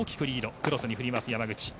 クロスに振ります、山口。